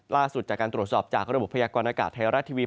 ล่าสุดจากการตรวจสอบจากระบบพยากรณากาศไทยรัฐทีวี